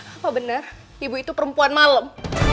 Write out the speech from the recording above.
apa benar ibu itu perempuan malam